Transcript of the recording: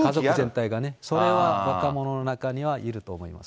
それは若者の中にはいると思います。